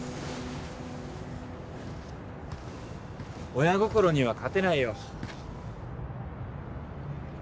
親心には勝てないよ